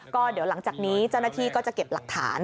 ก็เดี๋ยวหลังจากนี้เจ้าหน้าที่ก็จะเก็บหลักฐาน